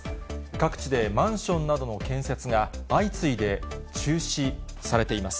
各地でマンションなどの建設が相次いで中止されています。